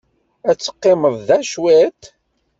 Ad teqqimeḍ da cwit?